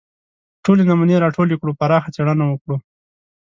ټولې نمونې راټولې کړو پراخه څېړنه وکړو